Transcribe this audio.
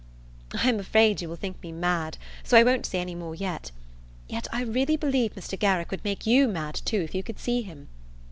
I am afraid you will think me mad, so I won't say any more; yet, I really believe Mr. Garrick would make you mad too if you could see him.